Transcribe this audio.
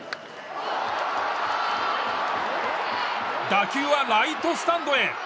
打球はライトスタンドへ。